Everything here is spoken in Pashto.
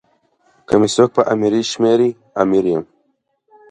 که می څوک په امیری شمېري امیر یم.